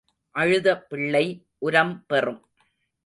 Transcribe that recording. அழுத பிள்ளை உரம் பெறும்.